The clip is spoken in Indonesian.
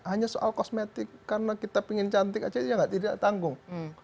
hanya soal kosmetik karena kita ingin cantik aja ya tidak tanggung